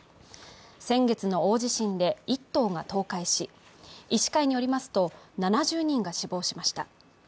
先月の大地震で１棟が倒壊し医師会によりますと、７０人が死亡しました。